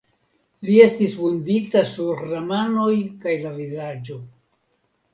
Li estis vundita sur la manoj kaj la vizaĝo.